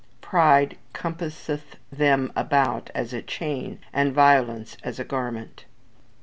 "Pride compasseth them about as a chain, and violence as a garment."